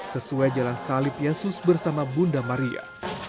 sesuai jalan salib yesus bersama bunda maria